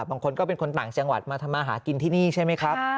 บางคนก็เป็นคนต่างจังหวัดมาทำมาหากินที่นี่ใช่ไหมครับ